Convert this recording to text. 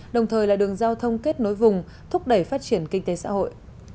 đồng thời là đường giao thông kết nối vùng thúc đẩy phát triển kinh tế xã hội